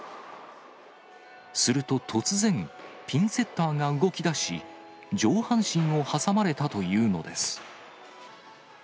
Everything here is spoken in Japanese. すると突然、ピンセッターが動きだし、上半身を挟まれたというのです。